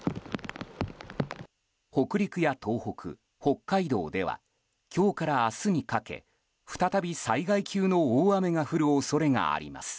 北陸や東北、北海道では今日から明日にかけ再び災害級の大雨が降る恐れがあります。